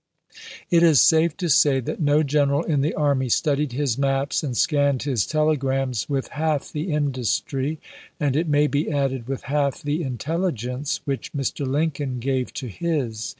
It is safe to say that no general in the army studied his maps and scanned his telegrams with half the industry — and, it may be added, with half the intelligence — which Mr, Lincoln gave to his.